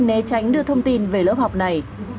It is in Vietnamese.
né tránh đưa thông tin về lớp học này